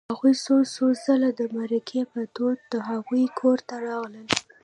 هغوی څو څو ځله د مرکې په دود د هغوی کور ته راغلل